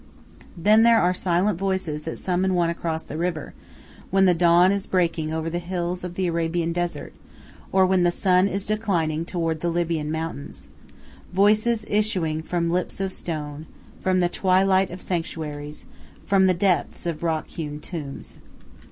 Then there are silent voices that summon one across the river, when the dawn is breaking over the hills of the Arabian desert, or when the sun is declining toward the Libyan mountains voices issuing from lips of stone, from the twilight of sanctuaries, from the depths of rock hewn tombs.